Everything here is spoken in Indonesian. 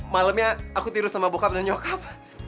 malemnya aku tidur sama bokap dan nyokap